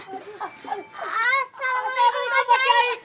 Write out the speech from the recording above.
assalamualaikum pak kyai